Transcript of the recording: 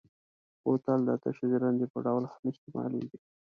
بوتل د تشې ژرندې په ډول هم استعمالېږي.